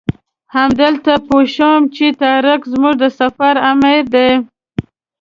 همدلته پوی شوم چې طارق زموږ د سفر امیر دی.